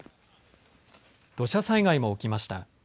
土砂災害も起きました。